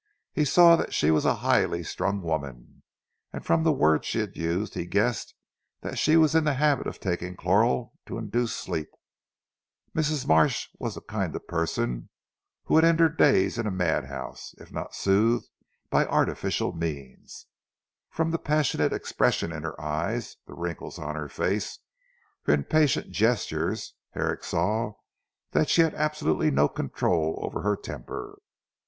He saw that she was a highly strung woman, and from the word she had used he guessed that she was in the habit of taking chloral to induce sleep. Mrs. Marsh was the kind of person who would end her days in a mad house, if not soothed by artificial means. From the passionate expression in her eyes, the wrinkles on her face, her impatient gestures, Herrick saw that she had absolutely no control over her temper.